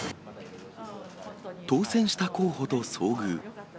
当選した候補と遭遇。